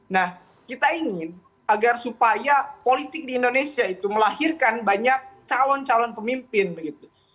nah kita ingin agar supaya politik di indonesia itu melahirkan banyak calon calon pemimpin begitu